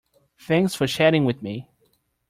Thanks for chatting with me.